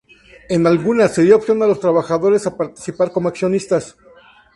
En algunas se dio opción a los trabajadores a participar como accionistas.